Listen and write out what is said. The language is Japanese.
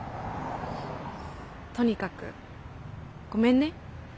とにかくごめんね。